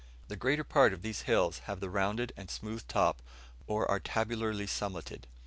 The greater part of these hills have the rounded and smooth top, or are tabularly summited.